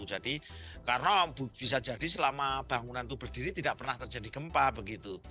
jadi karena bisa jadi selama bangunan itu berdiri tidak pernah terjadi gempa begitu